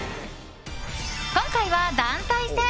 今回は団体戦。